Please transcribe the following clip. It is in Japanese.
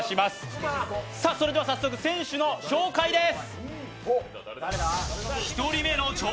それでは早速選手の紹介です。